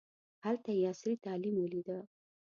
هلته یې عصري تعلیم ولیده.